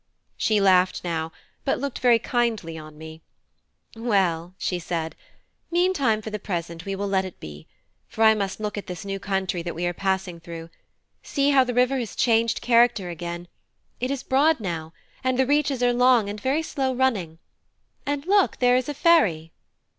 She laughed now, but looked very kindly on me. "Well," she said, "meantime for the present we will let it be; for I must look at this new country that we are passing through. See how the river has changed character again: it is broad now, and the reaches are long and very slow running. And look, there is a ferry!"